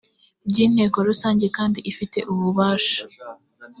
byi inteko rusange kandi ifite ububasha